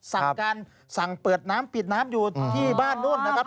สั่งการสั่งเปิดน้ำปิดน้ำอยู่ที่บ้านนู้นนะครับ